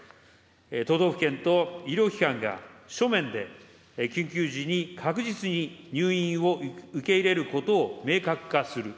都道府県と医療機関が、書面で、緊急時に確実に入院を受け入れることを明確化する。